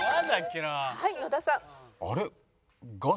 はい野田さん。